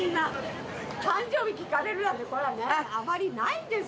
あまりないです。